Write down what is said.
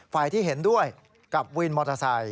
ฝ่ายที่เห็นด้วยกับวินมอเตอร์ไซค